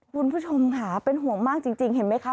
คุณผู้ชมค่ะเป็นห่วงมากจริงเห็นไหมคะ